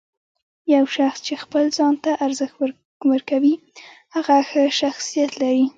یو شخص چې خپل ځان ته ارزښت ورکوي، هغه ښه شخصیت لري.